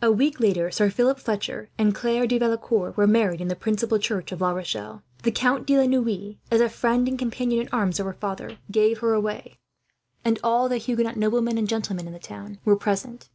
A week later, Sir Philip Fletcher and Claire de Valecourt were married in the principal church of La Rochelle. The Count de la Noue, as a friend and companion in arms of her father, gave her away; and all the Huguenot noblemen and gentlemen in the town were present.